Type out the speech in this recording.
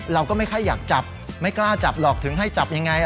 เราก็ไม่ค่อยอยากจับไม่กล้าจับหรอกถึงให้จับยังไง